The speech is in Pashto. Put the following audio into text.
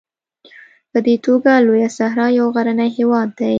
په دې توګه لویه صحرا یو غرنی هېواد دی.